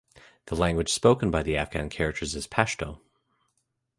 The language spoken by the Afghan characters is Pashto.